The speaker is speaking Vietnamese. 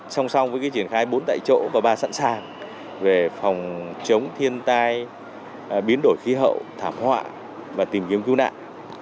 song song với triển khai bốn tại chỗ và ba sẵn sàng về phòng chống thiên tai biến đổi khí hậu thảm họa và tìm kiếm cứu nạn